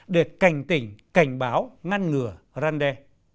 để cảnh tỉnh cảnh báo ngăn ngừa răn đe